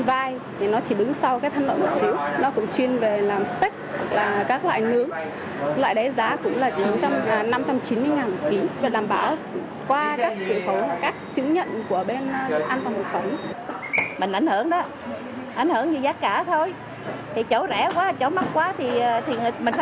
mình ảnh hưởng đó ảnh hưởng như giá cả thôi thì chỗ rẻ quá chỗ mắc quá thì mình phải ảnh hưởng thôi